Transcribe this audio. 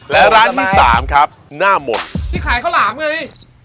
และร้านที่สามครับหน้าหมดนี่ขายข้าวหลามเลย